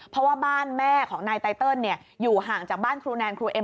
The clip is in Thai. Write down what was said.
เพราะว่าบ้านแม่ของนายไตเติลอยู่ห่างจากบ้านครูแนนครูเอ็ม